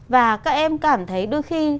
và các em cảm thấy đôi khi